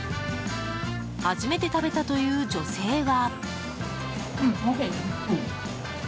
初めて食べたという女性は。